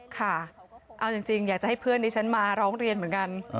ค่ะเอาจริงอยากจะให้เพื่อนที่ฉันมาร้องเรียนเหมือนกัน